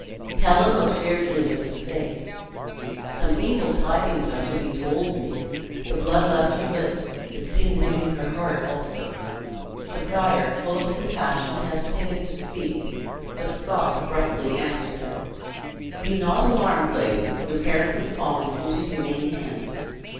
Helen looked fearfully in his face. "Some evil tidings are to be told me." The blood left her lips; it seemed leaving her heart also. The prior, full of compassion, hesitated to speak. The Scot abruptly answered her: "Be not alarmed, lady, your parents have fallen into humane hands.